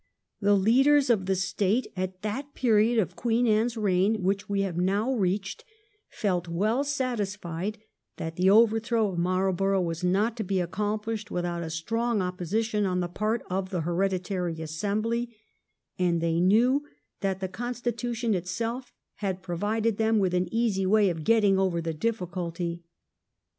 The leaders of the State, at that period of Queen Anne's reign which we have now reached, felt well satisfied that the over throw of Marlborough was not to be accomplished without a strong opposition on the part of the heredi tary assembly, and they knew that the constitution itself had provided them with an easy way of getting over the diflSculty.